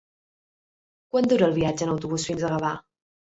Quant dura el viatge en autobús fins a Gavà?